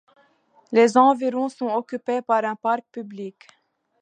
Les environs sont occupés par un parc public.